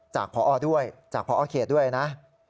จากพอเขตด้วยนะ